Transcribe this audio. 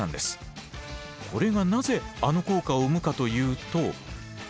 これがなぜあの効果を生むかというと。